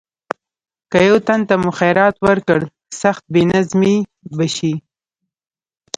که یو تن ته مو خیرات ورکړ سخت بې نظمي به شي.